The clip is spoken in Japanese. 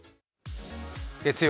月曜